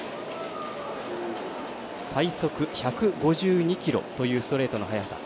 最速１５２キロというストレートの速さ。